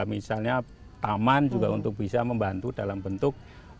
misalnya taman juga untuk bisa membantu dalam bentuk